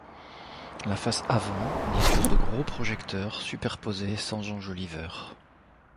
La face avant dispose de gros projecteurs superposés sans enjoliveur.